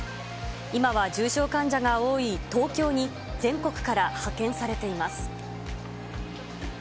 今は重症患者が多い東京に、全国から派遣されています。